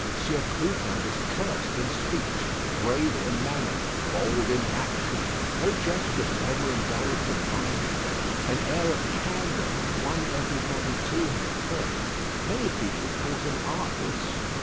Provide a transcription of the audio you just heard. Sieur Clubin was curt in speech, grave in manner, bold in action. No gestures were ever indulged in by him. An air of candour won everybody to him at first; many people thought him artless.